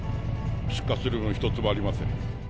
出荷する分、一つもありません。